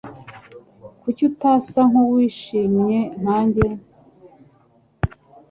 Kuki utasa nkuwishimye nkanjye